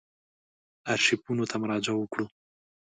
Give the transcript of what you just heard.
آرشیفونو ته مراجعه وکړو.